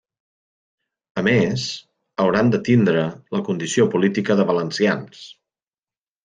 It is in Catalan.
A més, hauran de tindre la condició política de valencians.